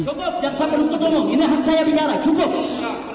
cukup jaksa penuntut umum ini harga saya binggaran cukup